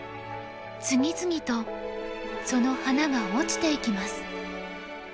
次々とその花が落ちていきます。